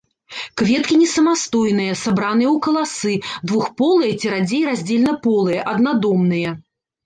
Кветкі несамастойныя, сабраныя ў каласы, двухполыя ці радзей раздзельнаполыя, аднадомныя.